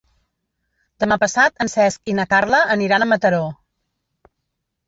Demà passat en Cesc i na Carla aniran a Mataró.